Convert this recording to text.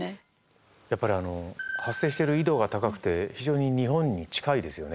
やっぱりあの発生してる緯度が高くて非常に日本に近いですよね。